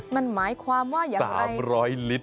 มันหมายความว่าอย่างไร